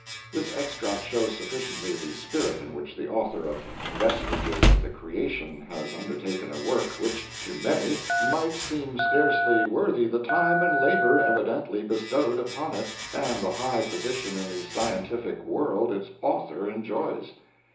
This extract shows sufficiently the spirit in which the author of "Vestiges of the Creation" has undertaken a work which, to many, might seem scarcely worthy the time and labor evidently bestowed upon it, and the high position in the scientific world its author enjoys.